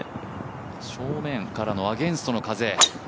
正面からのアゲンストの風。